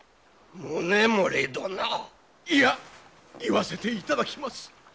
宗盛殿！いや言わせていただきます！